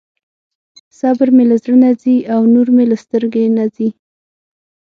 صبر مې له زړه نه ځي او نور مې له سترګې نه ځي.